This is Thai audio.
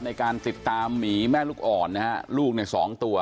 ในการติดตามหมีแม่ลูกอ่อนนะฮะลูกในสองตัว